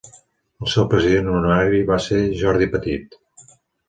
El seu president honorari va ser Jordi Petit.